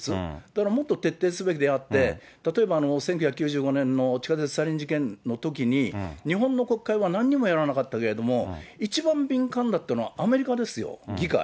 だからもっと徹底すべきであって、例えば１９９５年の地下鉄サリン事件のときに、日本の国会はなんにもやらなかったけれども、一番敏感だったのはアメリカですよ、議会。